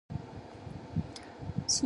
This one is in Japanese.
深夜に寝る